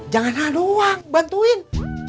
jangan hal doang bantuin